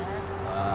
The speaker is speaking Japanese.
ああ。